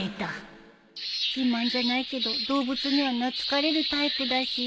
自慢じゃないけど動物には懐かれるタイプだし。